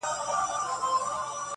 دا ملنګ سړی چي نن خویونه د باچا کوي,